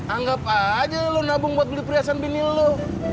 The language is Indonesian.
anggap aja lo nabung buat beli perhiasan bini lo